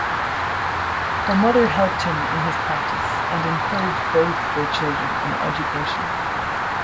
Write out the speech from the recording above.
Her mother helped him in his practice and encouraged both their children in education.